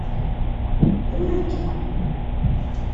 D urar kan.